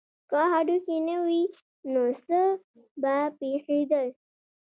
که هډوکي نه وی نو څه به پیښیدل